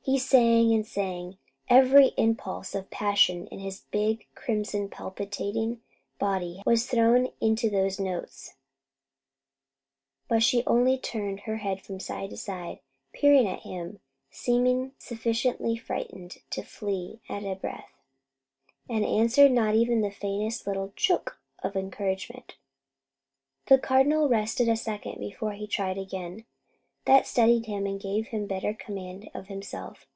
He sang and sang. Every impulse of passion in his big, crimson, palpitating body was thrown into those notes; but she only turned her head from side to side, peering at him, seeming sufficiently frightened to flee at a breath, and answered not even the faintest little "Chook!" of encouragement. The Cardinal rested a second before he tried again. That steadied him and gave him better command of himself.